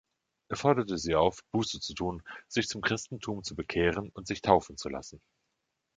Er forderte sie auf, Buße zu tun, sich zum Christentum zu bekehren und sich taufen zu lassen.